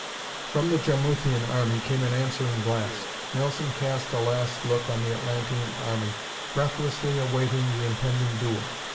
From the Jarmuthian army came an answering blast. Nelson cast a last look on the Atlantean army, breathlessly awaiting the impending duel.